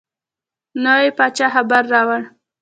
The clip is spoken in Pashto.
نوي پاچا خبر راووړ.